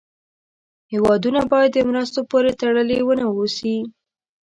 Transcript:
هېوادونه باید د مرستو پورې تړلې و نه اوسي.